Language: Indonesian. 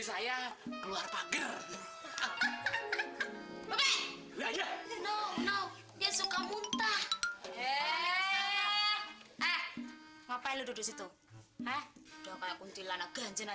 sampai jumpa di video selanjutnya